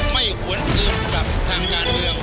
ไม่หวนเกินกลับทางด้านเรือง